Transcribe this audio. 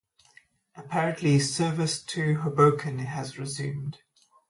Apparently service to Hoboken has resumed.